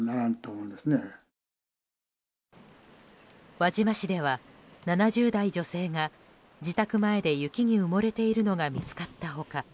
輪島市では７０代女性が自宅前で雪に埋もれているのが見つかった他